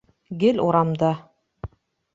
Гел урамда.